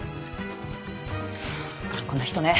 そう頑固な人ね。